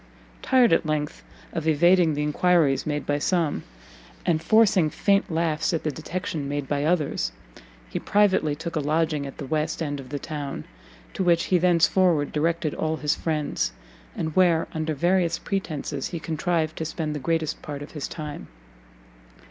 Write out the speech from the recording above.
Tired, at length, of evading the enquiries made by some, and forcing faint laughs at the detection made by others, he privately took a lodging at the west end of the town, to which he thence forward directed all his friends, and where, under various pretences, he contrived to spend the greatest part of his time.